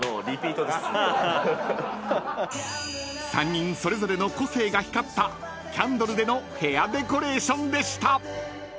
［３人それぞれの個性が光ったキャンドルでの部屋デコレーションでした］